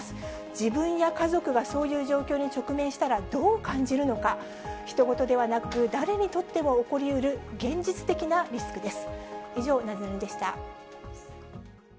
自分や家族がそういう状況に直面したらどう感じるのか、ひと事ではなく、誰にとっても起こりうる現実的なリスクです。